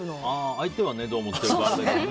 相手はどう思ってるかはあれだけどね。